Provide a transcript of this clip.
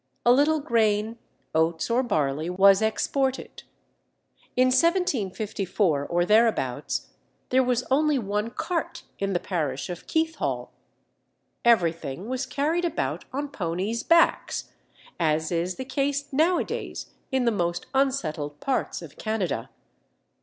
A little grain (oats or barley) was exported. In 1754 or thereabouts, there was only one cart in the parish of Keithhall. Everything was carried about on ponies' backs, as is the case nowadays in the most unsettled parts of Canada.